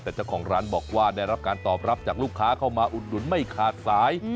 แต่เจ้าของร้านบอกว่าได้รับการตอบรับจากลูกค้าเข้ามาอุดหนุนไม่ขาดสาย